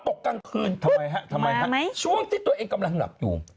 พอตกกลางคืนช่วงที่ตัวเองกำลังหลับอยู่